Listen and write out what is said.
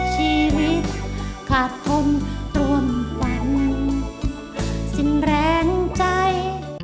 ชีวิตขาดทุนร่วมกันสิ้นแรงใจ